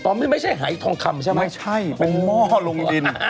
ตอนนี้ไม่ใช่หายทองคำใช่ไหมไม่ใช่เป็นหม้อลงดิน